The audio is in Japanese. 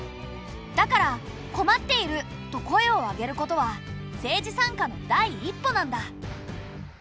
だから「困っている！」と声を上げることは政治参加の第一歩なんだ。